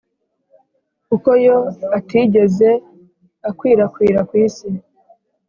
kuko yo atigeze akwirakwira ku isi